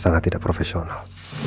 sangat tidak profesional